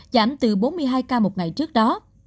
giảm từ bốn mươi hai ca một ngày trước đó